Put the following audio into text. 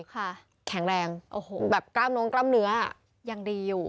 ค่ะแข็งแรงโอ้โหแบบกล้ามน้องกล้ามเนื้อยังดีอยู่